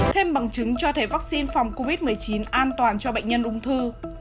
thêm bằng chứng cho thấy vắc xin phòng covid một mươi chín an toàn cho bệnh nhân ung thư